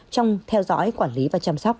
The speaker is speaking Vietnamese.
trong theo dõi quản lý và chăm sóc